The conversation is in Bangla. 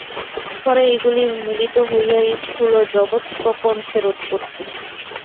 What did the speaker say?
পরে এইগুলি মিলিত হইয়া এই স্থূল জগৎপ্রপঞ্চের উৎপত্তি।